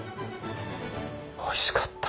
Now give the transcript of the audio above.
おいしかった！